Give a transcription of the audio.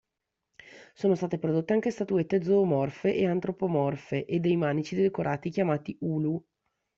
Sono state prodotte anche statuette zoomorfe e antropomorfe e dei manici decorati chiamati "ulu".